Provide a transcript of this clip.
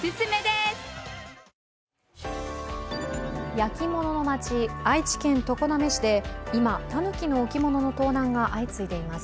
焼き物の街、愛知県常滑市でたぬきの置物の盗難が相次いでいます。